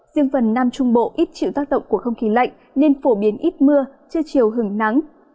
riêng phần nam trung bộ ít chịu tác động của không khí lạnh nên phổ biến ít mưa chưa chiều hứng nắng